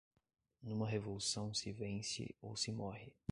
numa revolução se vence ou se morre